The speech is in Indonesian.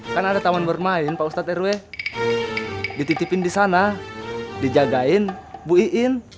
kan ada taman bermain pak ustadz rw dititipin disana dijagain bu iin